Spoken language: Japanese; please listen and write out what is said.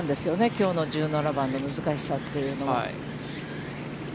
きょうの１７番の難しさというのは。